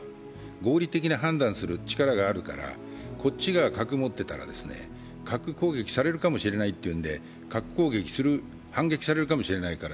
合理的に判断する力があるから、こっちが核を持っていたら核攻撃されるかもしれないっていうんで、反撃されるかもしれないから